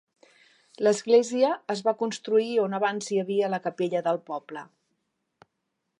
L'església es va construir on abans hi havia la capella del poble.